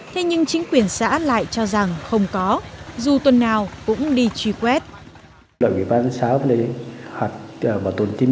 thế nhưng chính quyền xã lại cho rằng không có dù tuần nào cũng đi truy quét